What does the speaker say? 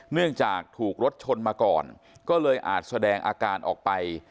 เนื่องจากถูกรถชนมาก่อนก็เลยอาจแสดงอาการออกไป